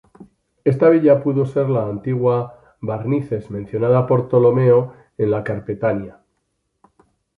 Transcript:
Esta villa pudo ser la antigua Barnices mencionada por Ptolomeo en la Carpetania.